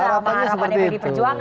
harapannya seperti itu